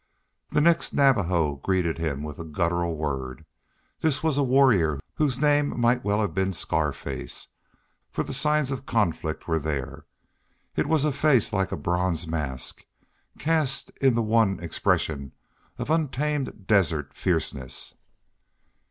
The next Navajo greeted him with a guttural word. This was a warrior whose name might well have been Scarface, for the signs of conflict were there. It was a face like a bronze mask, cast in the one expression of untamed desert fierceness.